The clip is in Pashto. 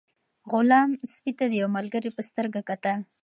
غلام سپي ته د یو ملګري په سترګه کتل.